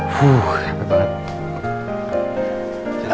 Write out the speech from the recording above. huh capek banget